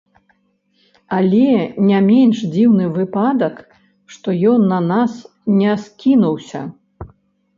Але не менш дзіўны выпадак, што ён на нас не скінуўся.